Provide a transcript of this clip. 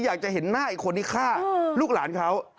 อยากจะเห็นหน้าอีกคนที่ฆ่าลูกหลานเขา